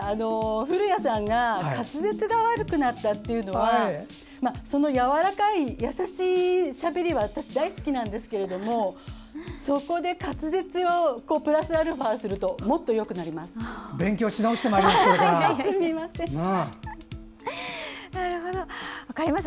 古谷さんが滑舌が悪くなったというのはそのやわらかい優しいしゃべりは私、大好きなんですがそこで滑舌をプラスアルファすると勉強し直してまいります！